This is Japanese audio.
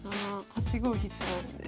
８五飛車で。